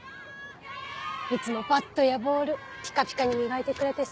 いつもバットやボールピカピカに磨いてくれてさ。